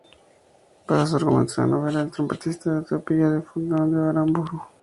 Basa su argumento en la novela "El trompetista del Utopía", de Fernando Aramburu.